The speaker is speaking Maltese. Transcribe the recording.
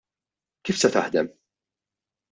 Kif se taħdem?